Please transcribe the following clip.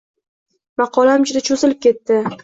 Maqolam juda cho’zilib ketdi